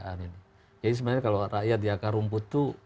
jadi sebenarnya kalau rakyat di akar rumput tuh